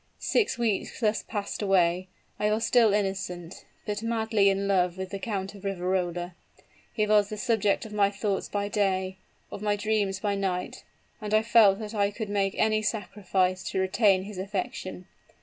"Six weeks thus passed away; I was still innocent but madly in love with the Count of Riverola. He was the subject of my thoughts by day of my dreams by night; and I felt that I could make any sacrifice to retain his affection.